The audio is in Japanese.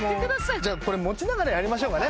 じゃあこれ持ちながらやりましょうかね